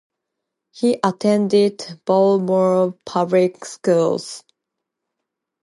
He attended Baltimore public schools.